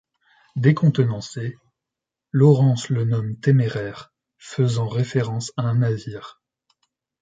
Décontenancé, Laurence le nomme Téméraire, faisant référence à un navire.